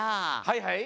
はいはい。